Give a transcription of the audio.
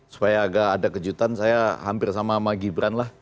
supaya agak ada kejutan saya hampir sama sama gibran lah